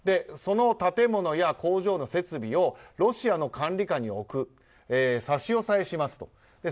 その建物や工場の設備をロシアの管理下に置いて差し押さえしますと。